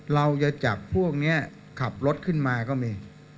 เราจะจับพวกนี้ขับรถขึ้นมาก็มี